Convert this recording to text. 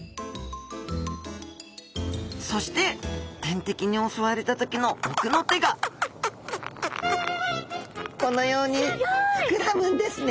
そして天敵に襲われた時の奥の手がこのように膨らむんですね。